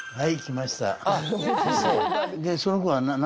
はい。